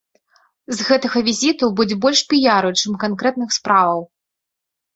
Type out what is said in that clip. З гэтага візіту будзе больш піяру, чым канкрэтных справаў.